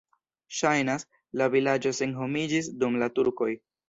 Ŝajnas, la vilaĝo senhomiĝis dum la turkoj.